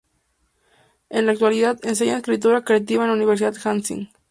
En la actualidad enseña Escritura Creativa en la Universidad Hanshin.